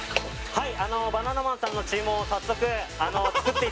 はい